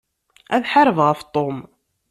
Ad ḥarbeɣ ɣef Tom.